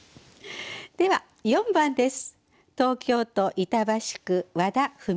では４番です。